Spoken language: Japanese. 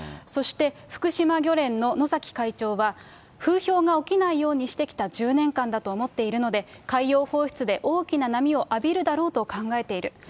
そして、福島漁連の野崎会長は、風評が起きないようにしてきた１０年間だと思っているので、海洋放出で大きな波を浴びるだろうと考えている。